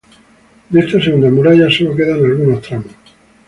De esta segunda muralla solo quedan algunos tramos.